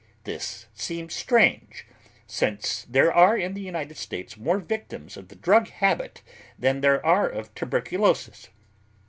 This seems strange, since there are in the United States more victims of the drug habit than there are of tuberculosis.